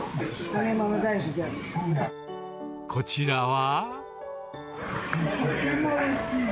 こちらは。